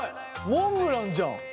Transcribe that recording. モンブランじゃん。